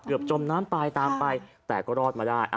จมน้ำตายตามไปแต่ก็รอดมาได้